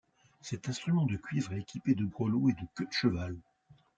Cet instrument de cuivre est équipé de grelots et de queues de cheval.